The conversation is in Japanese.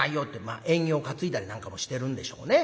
まあ縁起を担いだりなんかもしてるんでしょうね。